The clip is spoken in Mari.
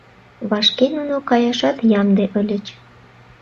Вашке нуно каяшат ямде ыльыч.